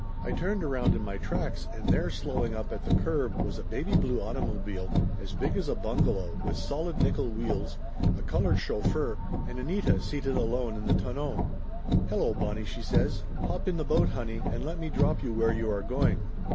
I turned around in my tracks, and there slowing up at the curb was a baby blue automobile as big as a bungalow with solid nickel wheels, a colored chauffeur, and Anita seated alone in the tonneau. "Hello, Bonnie !" she says. "Hop in the boat, honey, and let me drop you where you are going.